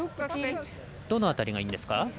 どの辺りがいいんですか？